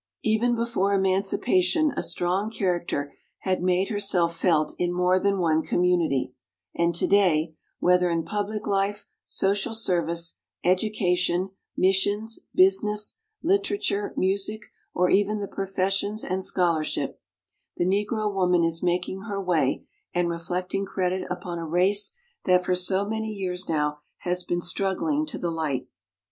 Even before emancipation a strong character had made herself felt in more than one community; and to day, whether in public life, social service, educa tion, missions, business, literature, music, or even the professions and scholarship, the Negro woman is making her way and re flecting credit upon a race that for so many years now has been struggling to the light.